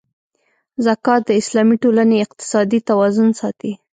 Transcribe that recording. زکات د اسلامي ټولنې اقتصادي توازن ساتي.